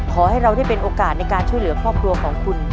ขอให้เราได้เป็นโอกาสในการช่วยเหลือครอบครัวของคุณ